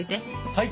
はい。